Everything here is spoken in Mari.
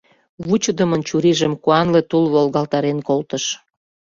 Вучыдымын чурийжым куанле тул волгалтарен колтыш.